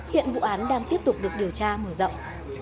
hiện vụ án đang tiếp tục được điều tra mở rộng